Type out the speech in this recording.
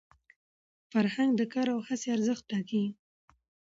فرهنګ د کار او هڅي ارزښت ټاکي.